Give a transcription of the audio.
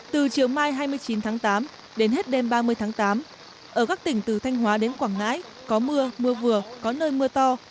từ chiều mai hai mươi chín tháng tám đến hết đêm ba mươi tháng tám ở các tỉnh từ thanh hóa đến quảng ngãi có mưa mưa vừa có nơi mưa to